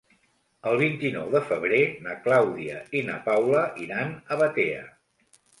El vint-i-nou de febrer na Clàudia i na Paula iran a Batea.